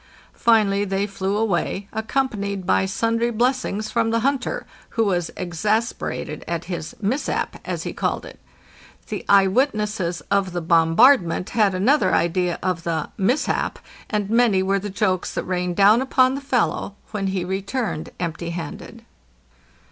Finally they flew away, accompanied by sundry blessings from the hunter, who was exasperated at his '"'mishap," as he called it. The eye witnesses of the bom bardment had another idea of the "mishap," and many were the jokes that rained down upon the fellow when he returned empty handed.